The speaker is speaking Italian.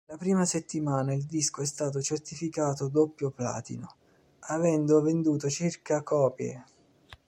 Nella prima settimana il disco è stato certificato Doppio Platino, avendo venduto circa copie.